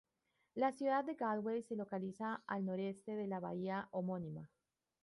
La ciudad de Galway se localiza al noreste de la bahía homónima.